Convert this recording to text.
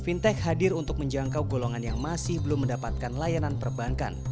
fintech hadir untuk menjangkau golongan yang masih belum mendapatkan layanan perbankan